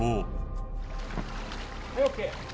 オーケー。